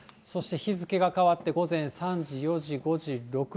そして日付が変わって午前３時、４時、５時、６時。